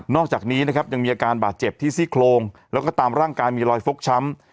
อกจากนี้นะครับยังมีอาการบาดเจ็บที่ซี่โครงแล้วก็ตามร่างกายมีรอยฟกช้ำ